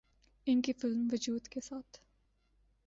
ان کی فلم ’وجود‘ کے ساتھ